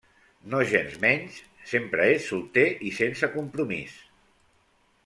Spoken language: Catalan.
Nogensmenys, sempre és solter i sense compromís.